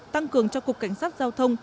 tăng cường cho cục cảnh sát giao thông